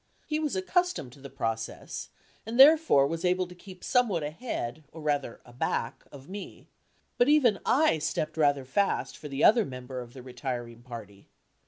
He was accustomed to the process, and therefore was able to keep somewhat ahead (or rather aback) of me, but even I stepped rather fast for the other member of the retiring party.